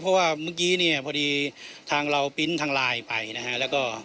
เพราะว่าเมื่อกี้เนี่ยพอดีทางเราไปอ่าแล้วก็